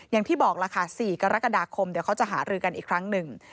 อย่างที่บอกล่ะค่ะ๔กรกฎาคมเดี๋ยวเขาจะหารือกันอีกครั้งหนึ่ง